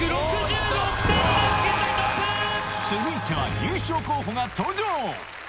続いては優勝候補が登場！